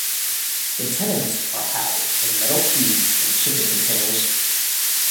The tenants are housed in metal cubes and shipping containers.